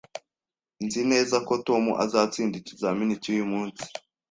Nzi neza ko Tom azatsinda ikizamini cyuyu munsi